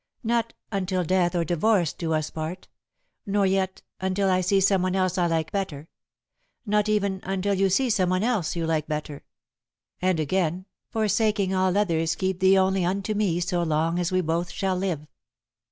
"Not 'until death or divorce do us part'; nor yet 'until I see someone else I like better'; not even 'until you see someone else you like better,' And, again, 'forsaking all others keep thee only unto me so long as we both shall live.'"